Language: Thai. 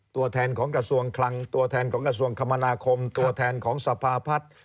ตัวแทนของกระทรวงคลังตัวแทนของกระทรวงคมนาคมตัวแทนของสภาพัฒน์